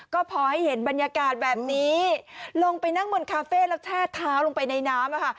ก็พอให้เห็นบรรยากาศแบบนี้ลงไปนั่งบนคาเฟ่แล้วแช่เท้าลงไปในน้ำอะค่ะ